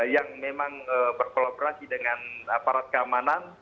yang memang berkolaborasi dengan aparat keamanan